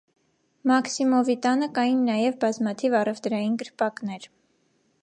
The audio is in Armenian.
Մաքսիմովի տանը կային նաև բազմաթիվ առևտրային կրպակներ։